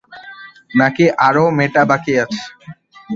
নাকি আরও মেটা বাকি আছে?